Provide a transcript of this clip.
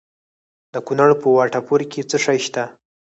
د کونړ په وټه پور کې څه شی شته؟